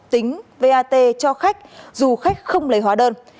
tính vat cho khách du khách không lấy hóa đơn